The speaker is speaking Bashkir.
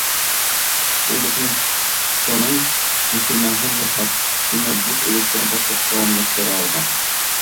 Ул документының күсермәһен яһап, шуны буш электрон паспортҡа урынлаштыра алған.